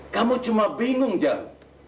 kamu cuma bingung jan